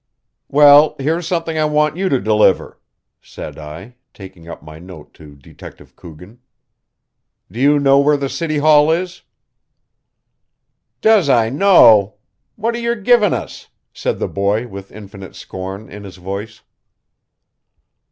"Well, here's something I want you to deliver," said I, taking up my note to Detective Coogan. "Do you know where the City Hall is?" "Does I know what are yer givin' us?" said the boy with infinite scorn in his voice.